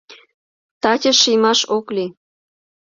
Таче шиймаш ок лий.